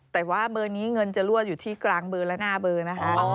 แต่ว่าเบอร์นี้เงินจะรั่วอยู่ที่กลางเบอร์และหน้าเบอร์นะคะ